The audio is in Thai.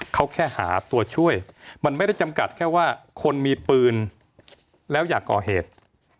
เขาแค่หาตัวช่วยมันไม่ได้จำกัดแค่ว่าคนมีปืนแล้วอยากก่อเหตุ